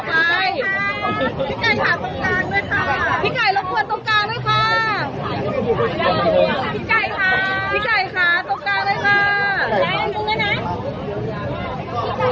พี่ไก่ค่ะพี่ไก่ค่ะตกกล้าด้วยค่ะ